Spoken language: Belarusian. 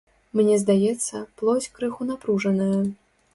Мне здаецца, плоць крыху напружаная.